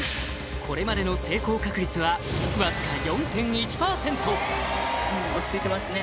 これまでの成功確率はわずか４．１％落ち着いてますね